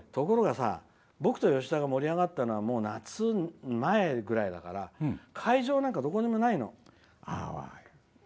僕と吉田が盛り上がったのは夏前ぐらいだから会場なんかどこにもないの。